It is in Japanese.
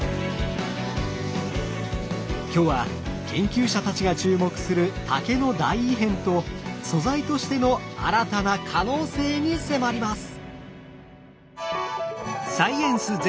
今日は研究者たちが注目する竹の大異変と素材としての新たな可能性に迫ります！